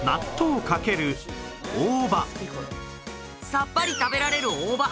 さっぱり食べられる大葉。